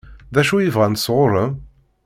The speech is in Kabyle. D acu i bɣant sɣur-m?